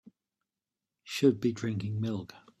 Should be drinking milk.